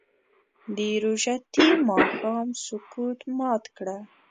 د روژتي ماښام سکوت مات کړه